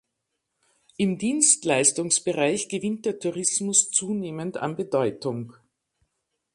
Im Dienstleistungsbereich gewinnt der Tourismus zunehmend an Bedeutung.